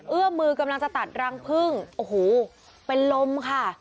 เอื้อมือกำลังจะตัดรังพึ่งโอ้โหเป็นลมค่ะ